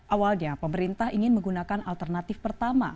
awalnya pemerintah ingin menggunakan alternatif pertama